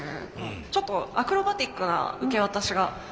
ちょっとアクロバティックな受け渡しがあるのかなって。